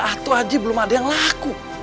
atuh aja belum ada yang laku